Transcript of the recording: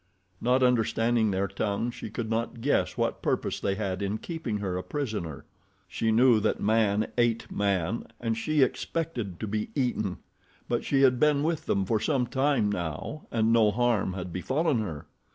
Not understanding their tongue she could not guess what purpose they had in keeping her a prisoner. She knew that man ate man, and she had expected to be eaten; but she had been with them for some time now and no harm had befallen her.